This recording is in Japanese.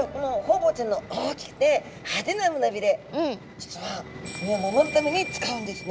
実は身を守るために使うんですね。